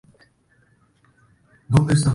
Wallace se reconoce como un cristiano comprometido.